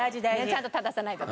ちゃんと正さないと。